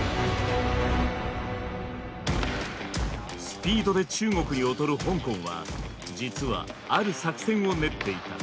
スピードで中国に劣る香港は実はある作戦を練っていた。